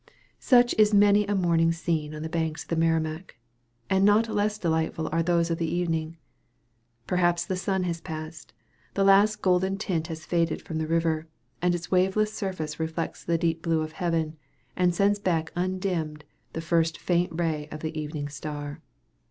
Such is many a morning scene on the banks of the Merrimac; and not less delightful are those of the evening. Perhaps the sunset has passed. The last golden tint has faded from the river, and its waveless surface reflects the deep blue of heaven, and sends back undimmed the first faint ray of the evening star.